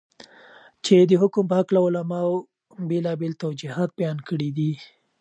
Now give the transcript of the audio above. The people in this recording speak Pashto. چې دحكم په هكله علماؤ بيلابيل توجيهات بيان كړي دي.